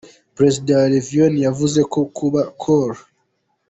Perezida Reuven yavuze ko kuba Col.